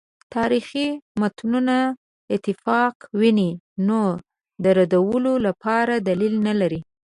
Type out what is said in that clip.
تاریخي متونو اتفاق ویني نو د ردولو لپاره دلیل نه لري.